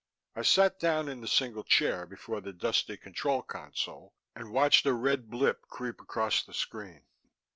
I sat down in the single chair before the dusty control console, and watched a red blip creep across the screen.